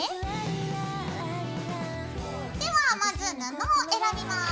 ではまず布を選びます。